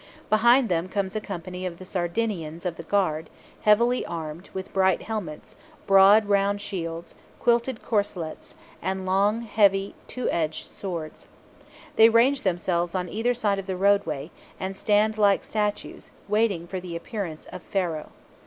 Behind them comes a company of the Sardinians of the guard, heavily armed, with bright helmets, broad round shields, quilted corselets, and long, heavy, two edged swords. They range themselves on either side of the roadway, and stand like statues, waiting for the appearance of Pharaoh.